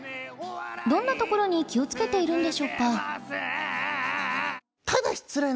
どんなところに気を付けているんでしょうか？